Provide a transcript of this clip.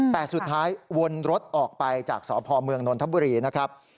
แต่สุดท้ายวนรถออกไปจากสพเมืองนนทบุรีนะครับ